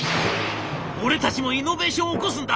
「俺たちもイノベーションを起こすんだ！